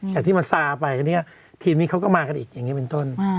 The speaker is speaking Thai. จากที่มันซาไปอันนี้ทีมนี้เขาก็มากันอีกอย่างนี้เป็นต้น